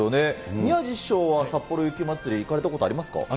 宮治師匠は、さっぽろ雪まつり、行かれたことありますか。